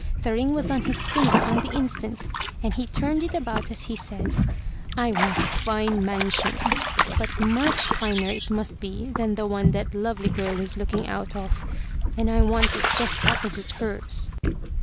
The ring was on his finger on the instant; and he turned it about as he said, "I want a fine mansion, but much finer it must be than the one that lovely girl is looking out of. And I want it just opposite her s."